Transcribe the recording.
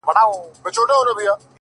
• زما د زړه په هغه شين اسمان كي ـ